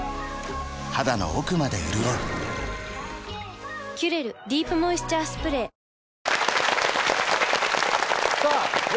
肌の奥まで潤う「キュレルディープモイスチャースプレー」男性）